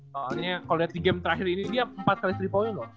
soalnya kalau lihat di game terakhir ini dia empat kali tiga point loh